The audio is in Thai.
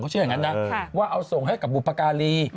เขาเชื่ออย่างนั้นว่าเอาส่งให้บุภาการี